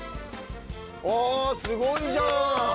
あぁすごいじゃん！